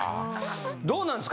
どうなんすか？